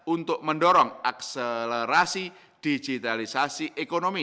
untuk mendorong akselerasi digitalisasi ekonomi